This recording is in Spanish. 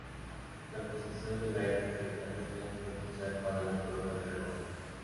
La posesión de la isla de Cerdeña fue crucial para la Corona de Aragón.